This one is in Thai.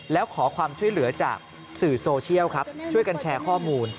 แล้วขอความช่วยเหลือจากสื่อโซเชียลครับช่วยกันแชร์ข้อมูล